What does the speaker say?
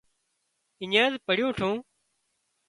اڃينز پڙِيو ٺو